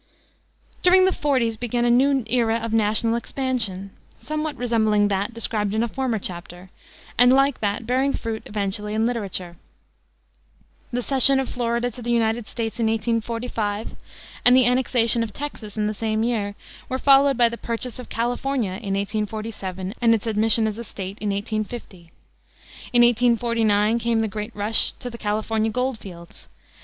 During the forties began a new era of national expansion, somewhat resembling that described in a former chapter, and, like that, bearing fruit eventually in literature. The cession of Florida to the United States in 1845, and the annexation of Texas in the same year, were followed by the purchase of California in 1847, and its admission as a State in 1850. In 1849 came the great rush to the California gold fields.